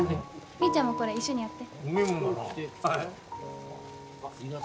みーちゃんもこれ一緒にやって。